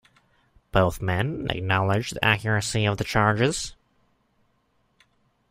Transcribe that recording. Both men acknowledged the accuracy of the charges.